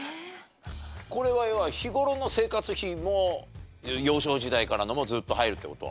これは要は日頃の生活費も幼少時代からのもずっと入るって事？